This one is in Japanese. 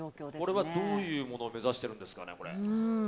これはどういうものを目指しているんですかね。